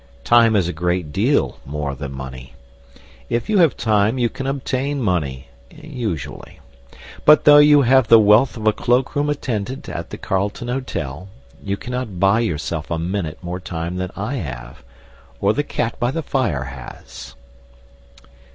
Time is a great deal more than money. If you have time you can obtain money usually. But though you have the wealth of a cloak room attendant at the Carlton Hotel, you cannot buy yourself a minute more time than I have, or the cat by the fire has.